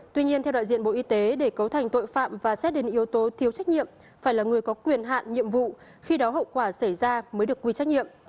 tuy nhiên theo đại diện bộ y tế để cấu thành tội phạm và xét đến yếu tố thiếu trách nhiệm phải là người có quyền hạn nhiệm vụ khi đó hậu quả xảy ra mới được quy trách nhiệm